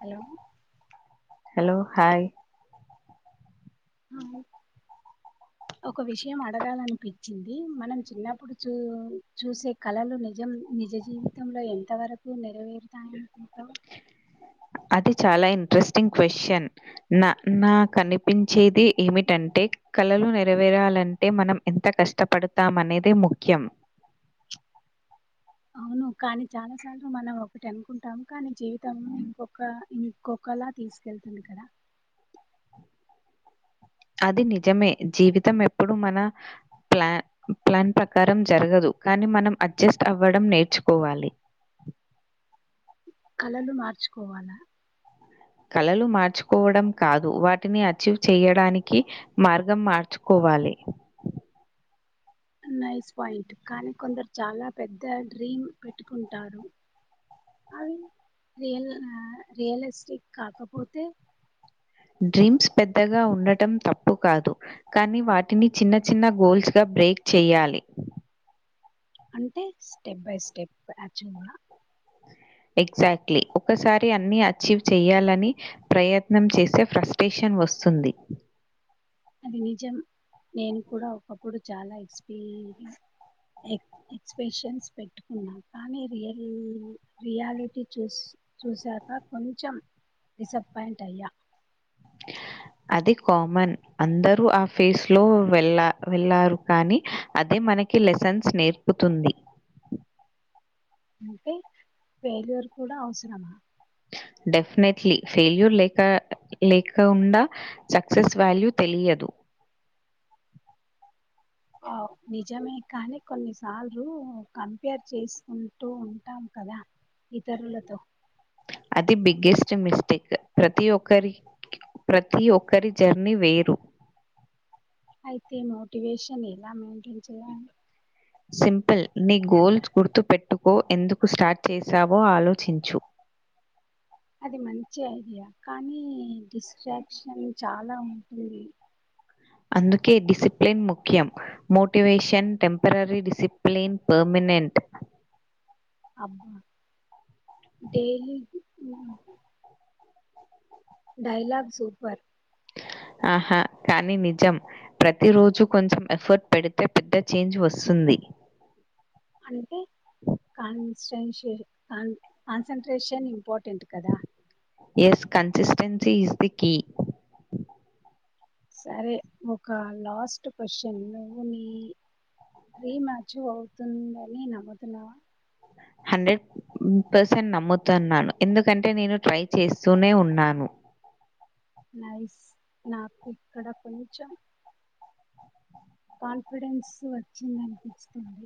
Hello hello hi ఆ ఒక విషయం అడగాలనిపించింది మనం చిన్నప్పుడు చూ చూసే కళలు నిజం నిజ జీవితంలో ఎంత వరకు నెరవేరుతాయనికుంటాం అది చాలా ఇంట్రెస్టింగ్ క్వశ్చన్ నా నాకునిపించేది ఏమిటంటే కళలు నెరవేరాలంటే మనం ఎంత కష్టపడతామ అనేది ముఖ్యం అవును కానీ చాలా సార్లు మనం ఒకటి అనుకుంటాము కానీ జీవితం ఇంకొక ఇంకొకలా తీసుకెళ్తుంది కదా అది నిజమే జీవితం ఎప్పుడు మన ప్లాన్ ప్లాన్ ప్రకారం జరగదు కానీ మనం అడ్జస్ట్ అవ్వడం నేర్చుకోవాలి కళలు మార్చుకోవాల కళలు మార్చుకోవడం కాదు వాటిని అచీవ్ చేయడానికి మార్గం మార్చుకోవాలి నైస్ పాయింట్ కానీ కొందరు చాలా పెద్ద డ్రీమ్ పెట్టుకుంటారు అవి రియల్ రియలిస్టిక్ కాకపోతే డ్రీమ్స్ పెద్దగా ఉండటం తప్పు కాదు కానీ వాటిని చిన్న చిన్న గోల్స్ గా బ్రేక్ చేయాలి అంటే స్టెప్ బై స్టెప్ యాచలా ఎగ్జాక్ట్లీ ఒకసారి అన్ని అచీవ్ చేయాలని ప్రయత్నం చేసే ఫ్రస్టేషన్ వస్తుంది అది నిజం నేను కూడా ఒకప్పుడు చాలా ఎక్స్పీ ఎక్స్ప్రెషన్స్ పెట్టుకున్నా కానీ రియల్ రియాలిటీ చూ చూసాక కొంచెం డిసప్పాయింట్ అయ్యా అది కామన్ అందరూ ఆ ఫేస్లో వెల్ వెళ్ళారు కానీ అది మనకి లెసన్స్ నేర్పుతుంది అంటే ఫెయిల్యూర్ కూడా అవసరం డెఫినెట్లీ ఫెయిల్యూర్ లేక లేకుండా సక్సెస్ వాల్యూ తెలియదు ఆ నిజమే కానీ కొన్నిసార్లు కంపేర్ చేసుకుంటూ ఉంటాం కదా ఇతరులతో అది బిగ్గెస్ట్ మిస్టేక్ ప్రతి ఒక్కరి ప్రతీ ఒక్కరి జర్నీ వేరు అయితే మోటివేషన్ ఎలా మెయింటైన్ చేయాలి సింపుల్ నీ గోల్ గుర్తుపెట్టుకో ఎందుకు స్టార్ట్ చేశావో ఆలోచించు అది మంచి ఐడియా కానీ డిస్ట్రాక్షన్ చాలా ఉంటుంది అందుకే డిసిప్లిన్ ముఖ్యం మోటివేషన్ టెంపరరీ డిసిప్లిన్ పర్మనెంట్ అబ్బా డైలీ డైలాగ్ సూపర్ ఆహా కానీ నిజం ప్రతిరోజూ కొంచెం ఎఫర్ట్ పెడితే పెద్ద చేంజ్ వస్తుంది సరే సరే కాన్ కాన్సన్ట్రేషన్ ఇంపార్టెంట్ కదా yes consistency is the key సరే ఒక లాస్ట్ క్వశ్చన్ నువ్వు నీ రీమాచ్యవ్ అవుతుందని నమ్ముతున్నావా హండ్రెడ్ పర్సెంట్ నమ్ముతున్నాను ఎందుకంటే నేను ట్రై చేస్తూనే ఉన్నాను నయిస్ నాకుక్కడ పనిచం కాన్ఫిడెన్స్ వచ్చిందనిపిస్తుంది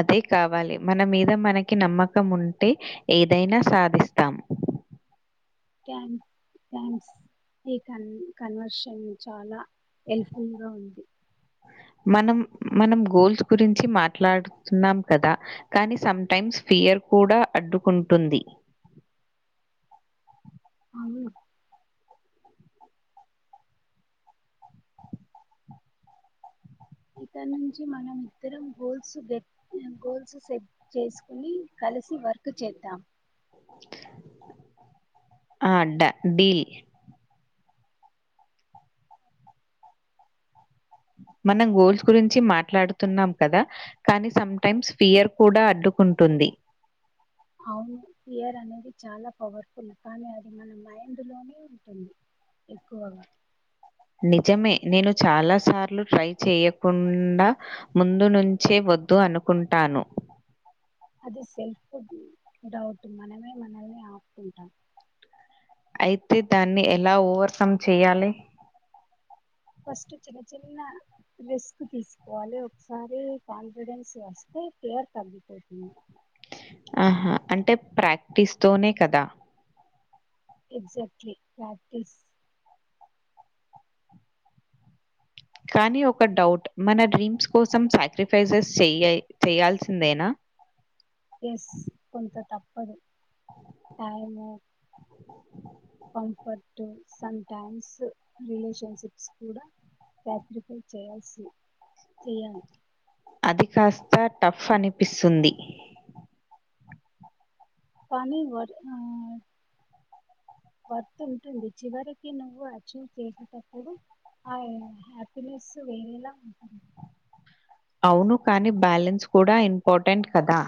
అదే కావాలి మన మీద మనకి నమ్మకం ఉంటే ఏదైనా సాధిస్తాం రాయ క్యాంస్ ఈ కన్ కన్వర్షన్ చాలా హెల్ప్ఫుల్ గా ఉంది మనం మనం గోల్స్ గురించి మాట్లాడుతున్నాం కదా కానీ సటైమ్స్ ఫియర్ కూడా అడ్డుకుంటుంది అ ఇక్కడ నుంచి మనం ఇద్దరం గోల్స్ గోల్స్ సెట్ చేసుకుని కలిసి వర్క్ చేద్దాం ఆ డ డల్ మనం గోల్స్ గురించి మాట్లాడుతున్నాం కదా కానీ సమ్‌టైమ్స్ ఫియర్ కూడా అడ్డుకుంటుంది అవును ఇియర్ అనేది చాలా పవర్ఫుల్ కానీ అది మన మైండ్లోనే ఉంటుంది ఎక్కువగా నిజమే నేను చాలా సార్లు ట్రై చేయకుండా ముందు నుంచే వద్దు అనుకుంటాను అది సెల్ఫ్ డౌట్ మనమే మనల్ని ఆపుకుంటాం అయితే దాన్ని ఎలా ఓవర్కమ్ చెయాలి ఫస్ట్ చిన్న చిన్న రిస్క్ తీసుకోవాలి ఒకసారి కాన్ఫిడెన్స్ వస్తే కేర్ తగ్గిపోతుంది ఆహా అంటే ప్రాక్టీస్ తోనే కదా ఎక్జాక్ట్లీ ప్రాక్టీస్ కానీ ఒక డౌట్ మన డ్రీమ్స్ కోసం సాక్రిఫైసెస్ చెయ చెయయాల్సిందేనా ఎస్ కొంత తాప్పు పడు టైమ కంఫర్ట్ స టైమ్స్ రిలేషన్షిప్స్ కూడా ప్యాపరిఫై చేయాల్సి, చేయాలి అది కాస్త టఫ్ అనిపిస్తుంది పని వ ఆ వర్తుంటుంది చివరికి నువ్వు అచీవ్ చేసేటప్పుడు, ఆ హ్యాపీనెస్ వేరేలా ఉంటుంది. అవును కానీ బ్యాలెన్స్ కూడా ఇంపార్టెంట్ కదా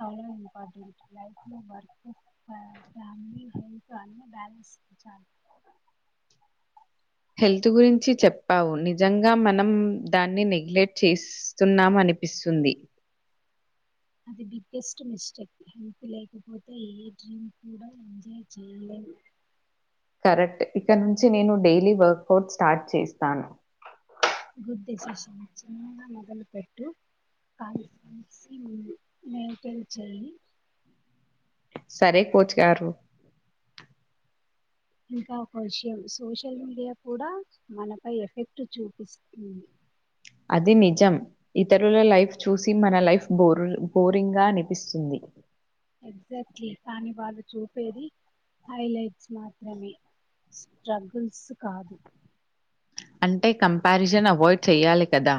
అ అవును ఇంపార్టెంట్ లైఫ్ లో వర్క్ [unintelligible] హెల్త్ అన్ని బ్యాలెన్స్ చెయ్ చల్ హెల్త్ గురించి చెప్పావు నిజంగా మనం దాన్ని నెగ్లెక్ట్ చేస్తున్నామ అనిపిస్తుంది అది బిగ్గెస్ట్ మిస్టేక్ హెల్త్ లేకపోతే ఏ డ్రీమ్ కూడా ఎంజాయ్ చేయలేదు కరెక్ట్ ఇక్కడ నుంచి నేను డైలీ వర్కౌట్ స్టార్ట్ చేస్తాను గుడ్ డెసిషన్ చిన్నగా మొదలుపెట్టు [unintelligible] మైంటైన్ చెయ్ సరే కోచ్ గారు ఇంకా ఒక విషయం సోషల్ మీడియా కూడా మనపై ఎఫెక్ట్ చూపిస్తుంది అది నిజం ఇతరుల లైఫ్ చూసి మన లైఫ్ బోరింగ్గా నినిపిస్తుంది ఎగ్జాక్ట్లీ కానీ బాలు చూపేది హైలైట్స్ మాత్రమే స్ట్రగుల్స్ కాదు అంటే కంపారిజన్ అవాయిడ్ చెయ్యాలి కదా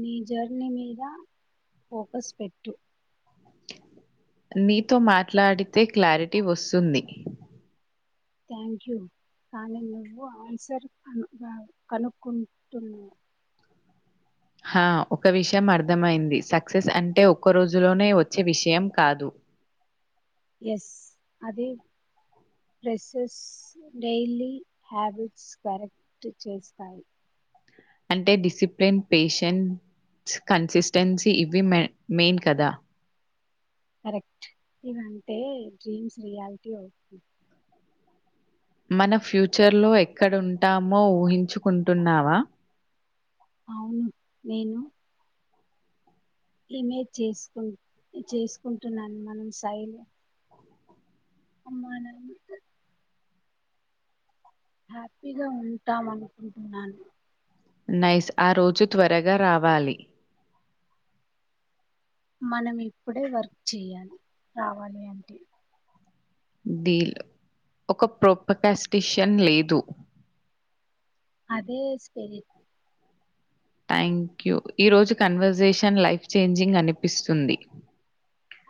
నీ జర్నీ మీద ఫోకస్ పెట్టు నీతో మాట్లాడితే క్లారిటీ వస్తుంది థ్యాంక్ యూ కానీ నువ్వు ఆన్సర్ కనుక్కుంటున్నావు హ ఒక విషయం అర్థమైంది సక్సెస్ అంటే ఒక్క రోజులోనే వచ్చే విషయం కాదు ఎస్ అది ప్రెసెస్ డైలీ హ్యాబిట్స్ కరెక్ట్ చేస్తాయి అంటే డిసిప్లిన్ పేషెన్స్ కన్సిస్టెన్సీ ఇవి మెయిన్ కదా కరెక్ట్ ఇవంటే డ్రీమ్స్ రియాలిటీ అవుతుంది మన ఫ్యూచర్ లో ఎక్కడుంటామో ఊహించుకుంటున్నావా అవును నేను ఈమె చేసుకు చేసుకుంటున్నాను మన్ సైలే అమ్మా నాన్లు హ్యాపీగా ఉంటాం అనుకుంటున్నాను నైస్ ఆ రోజు త్వరగా రావాలి మనం ఇప్పుడే వర్క్ చేయాలి రావాలి అంటే దీలో ఒక ప్రోపకాస్టిషియన్ లేదు అదే స్పెరి టాంక్ యూ ఈ రోజు కన్వర్జేషన్ లైఫ్ చేంజింగ్ అనిపిస్తుంది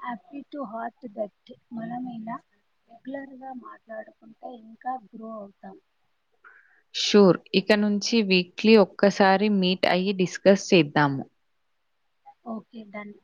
హ్యాపీ టు హార్ట్ దట్ మనమైనా రెగ్యులర్గా మాట్లాడుకుంటే ఇంకా గ్రో అవుతాం షూర్ ఇక నుంచి వీక్లీ ఒక్కసారి మీట్ అయ్యి డిస్కస్ చేద్దాము ఓకే డన్